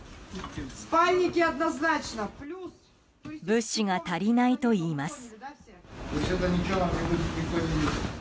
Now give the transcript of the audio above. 物資が足りないといいます。